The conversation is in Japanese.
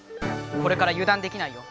これからゆだんできないよ。